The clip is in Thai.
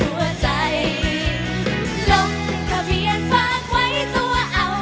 หัวใจลงทะเบียนฝากไว้ตัวเอา